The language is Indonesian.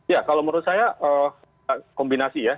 ya kalau menurut saya kombinasi ya